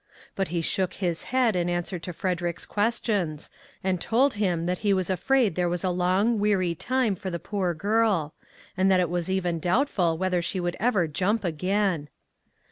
But he shook his 247 MAG AND MARGARET head in answer to Frederick's questions, and told him that he was afraid there was a long, weary time before the poor girl; and that it was even doubtful whether she would ever jump again.